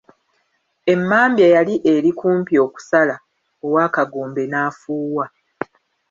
Emmambya yali eri kumpi okusala ow'akagombe n'afuuwa.